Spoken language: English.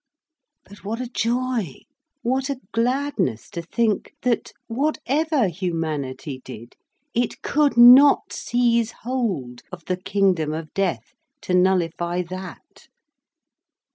But what a joy! What a gladness to think that whatever humanity did, it could not seize hold of the kingdom of death, to nullify that.